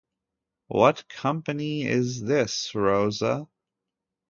What company is this, Rosa?